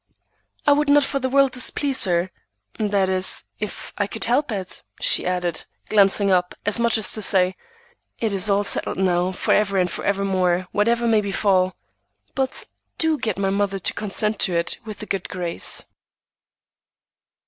I would not for the world displease her, that is, if I could help it," she added, glancing up, as much as to say, "It is all settled now forever and forevermore, whatever may befall, but do get my mother to consent to it with a good grace."